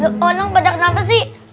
lo orang pada kenapa sih